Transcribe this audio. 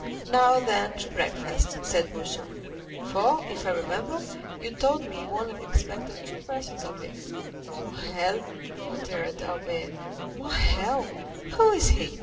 "Now, then, to breakfast," said Beauchamp; "for, if I remember, you told me you only expected two persons, Albert." "Morrel," muttered Albert—"Morrel—who is he?"